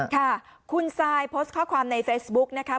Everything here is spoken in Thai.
ค่ะคุณซายโพสต์ข้อความในเฟซบุ๊กนะคะ